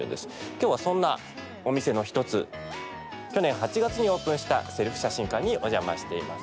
今日はそんなお店の１つ去年８月にオープンしたセルフ写真館にお邪魔しています。